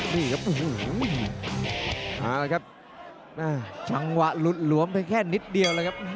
นี่ครับเอาละครับแม่จังหวะหลุดหลวมเพียงแค่นิดเดียวเลยครับ